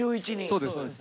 そうです。